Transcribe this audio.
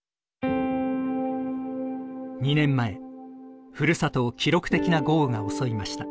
２年前ふるさとを記録的な豪雨が襲いました。